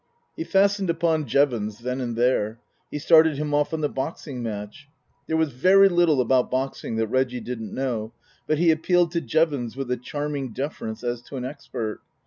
He fastened upon Jevons then and there. He started him off on the boxing match. There was very little about boxing that Reggie didn't know, but he appealed to Jevons with a charming deference as to an expert.